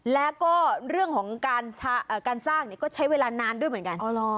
แล้วก็เรื่องของการสร้างก็ใช้เวลานานด้วยเหมือนกัน